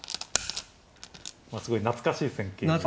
すごい懐かしい戦型に。